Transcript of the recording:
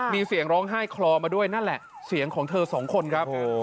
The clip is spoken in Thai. มีเสียงร้องไห้คลอมาด้วยนั่นแหละเสียงของเธอสองคนครับ